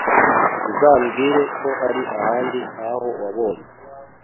Uzambwire ko hari ahandi nkaho wabonye.